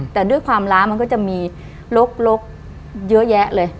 แต่ด้วยความล้ามันก็จะมีลกเยอะแยะเลย